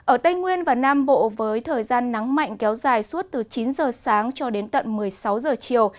ở tây nguyên và nam bộ với thời gian nắng mạnh kéo dài suốt từ chín giờ sáng cho đến tận một mươi sáu giờ chiều